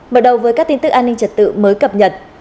mở đầu với các tin tức an ninh trật tự mới cập nhật